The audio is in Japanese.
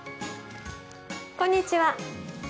こんにちは。